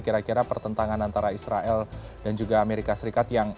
kira kira pertentangan antara israel dan juga amerika serikat